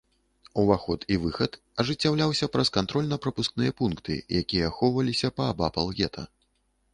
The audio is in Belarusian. Уваход і выхад ажыццяўляўся праз кантрольна-прапускныя пункты, якія ахоўваліся паабапал гета.